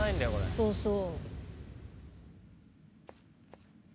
そうそう。